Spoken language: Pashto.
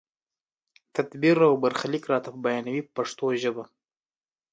تدبیر او برخلیک راته بیانوي په پښتو ژبه.